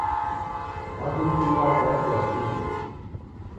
Mwatulituli wapo wachua vidio